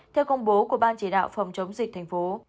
theo công bố của ban chỉ đạo phòng chống dịch thành phố